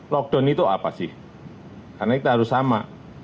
lockdown itu apa sih karena kita harus sama